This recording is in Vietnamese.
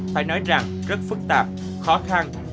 phải nói rằng rất phức tạp khó khăn